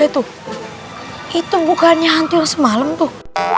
eh tuh itu bukannya hantu yang semalam tuh